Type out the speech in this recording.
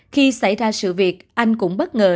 khi xảy ra sự việc anh cũng bất ngờ